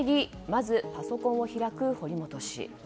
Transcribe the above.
まずパソコンを開く堀本氏。